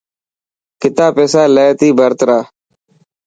ڪتا پيسا لي تي ڀرت را.